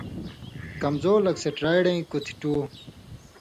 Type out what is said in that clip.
کمزُور لک سٹیرائیڈَیں کُتھیۡ ٹُو